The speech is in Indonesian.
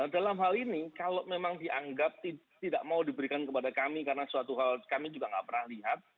dalam hal ini kalau memang dianggap tidak mau diberikan kepada kami karena suatu hal kami juga tidak pernah lihat